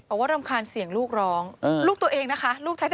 บอกว่ารำคาญเสียงลูกร้องลูกตัวเองนะคะลูกแท้นะคะ